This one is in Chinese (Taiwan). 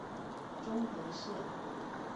中和線